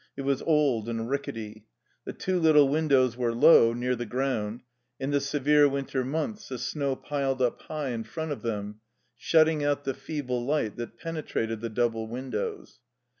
It was old and rickety. The two little windows were low, near the ground. In the severe winter months the snow piled up high in front of them, shutting out the feeble light that penetrated the double windows.